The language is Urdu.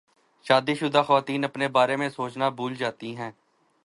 شادی شدہ خواتین اپنے بارے میں سوچنا بھول جاتی ہیں